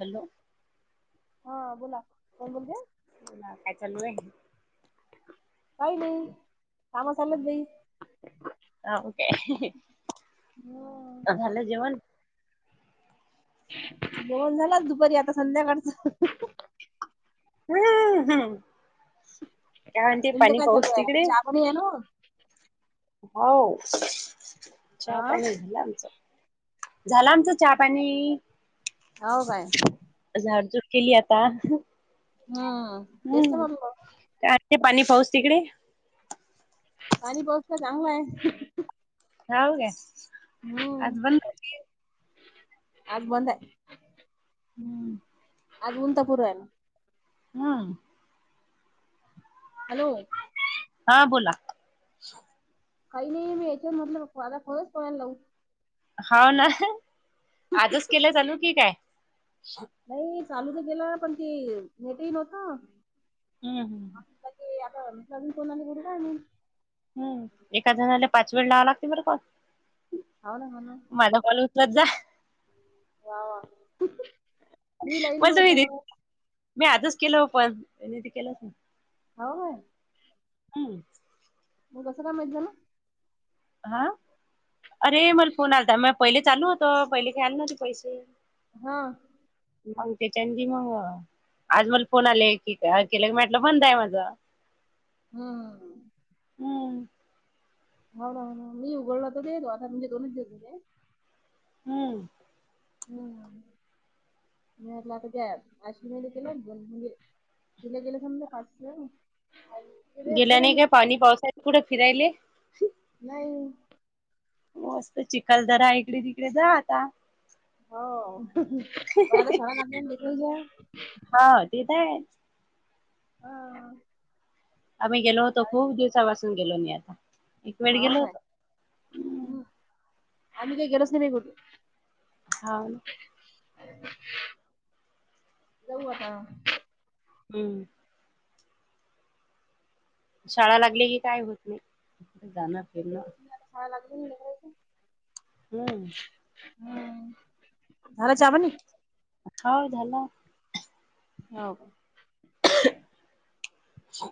Hello. हा बोला कोण बोलते [unintelligible] काय चाललंय? काहि नाही. काम चालत बाई हाव काय? हा अ झालं जेवण. जेवण झालं दुपारी आता संध्याकाळच.. हम् हम् काय म्हणते तुमचं पाणी काय पाऊस चालू आहे तिकडे? चहा पाणी आहे ना हो चहा हा पाणी झालं आमचं. झाला आमचा चहा पाणी हो काय [unintelligible] केली आत्ता.. हम्म तेच ते म्हंटलो. काय ते पाणी पाऊस तिकडे पाणी पाऊस तर चांगला आहे हौ काय हम्म आज बंद आज बंद आहे. हम्म आजून तर पूर यायला नाही हम्म. हॅलो. हा बोला. काही नाही मी याच्यावरन म्हटलं आता खरचं [unintelligible] लावू हो ना आजचं केलं चालू की काय? नाही चालू तर केल पण ती [unintelligible] हम्म हम्. [unintelligible] हम् एका जणाला पाच वेळ लावला [unintelligible] हौ ना हौ ना जा वा वा. मी लाईन मग मी [unintelligible] मी आजच केलं ओ पण ह्यांनी ते केलंच नाहि. [unintelligible] हम्म मग कसं काय माहित झालं? हा अरे मला फोन आलता म पहिले चालू होतं पहिले काय आले नव्हते पैसे हा मग ते [unintelligible] मगवा आज मला फोन आले की काय केलं मी म्हंटल बंद आहे माझं हं हं हम्म हो ना हो ना मी उघडल तरी दवाखान्यात गेलोय [unintelligible] हम्म हम्म मी म्हंटल आता [unintelligible] एक दोन म्हणजे दिले गेलेत म्हंटल [unintelligible] गेल्या नाही काय पाणी पावसाचे कुठं फिरायले नाही मस्त चिखल दरा इकडे तिकडे जा आता हो पण आता शाळा हा [unintelligible] ते तर आहे हा आम्ही गेलो होतो. खूप दिवसापासून गेलो नाही आता एक वेळ हाव गेलो काय होतो हम् हम्म आम्ही काय गेलोचं नाही बाई कुठं. हो जाऊ आता हम्म शाळा लागली की काय होत नाही जाणं फिरणं आता शाळा लागली ना लेकराची हम्म हम झाला चबनी छाव झाला हो हा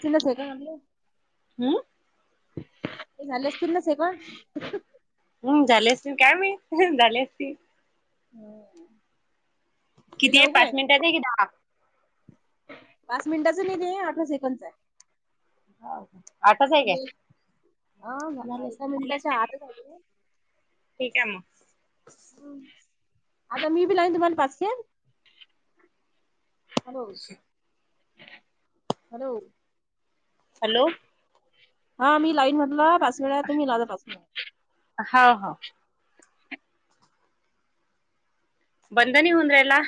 च ना से का म्हलं हम्म ते झालंस तु नच आहे पण हम झालेस काय मी झाले अस हम्म. किती आहे पाच मिनिटात आहे कि दहा? पाच मिनटाच नाहीेत आहे अठरा सेकंडच आहे आठच आहे काय? हा, झाले एका असतील मिनिटाच्या मग आतच आहे ते ठीक आहे मग आता मी बी लागन तुम्हाला पाचशे हॅलो हॅलो हॅलो हा मी लाईनमधला पास वेळा तर मीला पासे हो हो बंदनी होनरेला